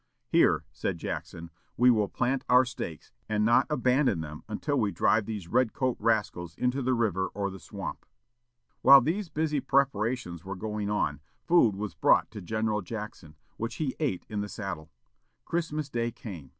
"Here," said Jackson, "we will plant our stakes, and not abandon them until we drive these 'red coat' rascals into the river or the swamp." While these busy preparations were going on, food was brought to General Jackson, which he ate in the saddle. Christmas day came.